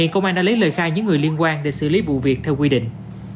công an đã lấy lời khai những người liên quan để xử lý vụ việc theo quy định